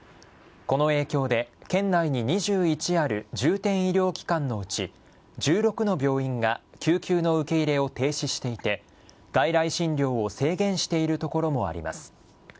この影響で、県内に２１ある重点医療機関のうち、１６の病院が救急の受け入れを停止していて、外来診療を制限しているところもあります。